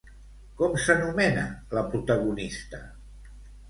Com s'anomena la protagonista?